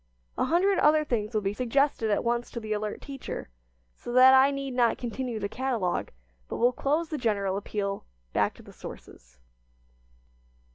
A hundred other things will be suggested at once to the alert teacher, so that I need not continue the catalogue, but will close the general appeal "Back to the Sources."